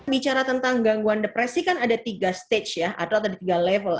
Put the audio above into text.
bicara tentang gangguan depresi kan ada tiga stage ya atau ada tiga level